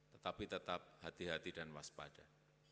tetapi tetap hati hati dan waspada